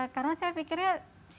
karena saya pikirnya ini kelihatan